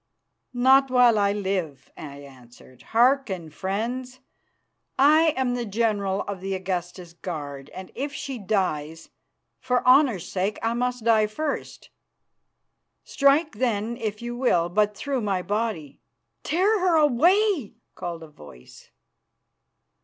"Not while I live," I answered. "Hearken, friends. I am the general of the Augusta's guard, and if she dies, for honour's sake I must die first. Strike, then, if you will, but through my body." "Tear her away!" called a voice.